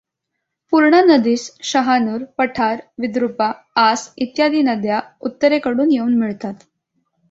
पूर्णा नदीस शहानूर, पठार, विद्रूपा, आस, इत्यादी नद्या उत्तरेकडून येऊन मिळतात.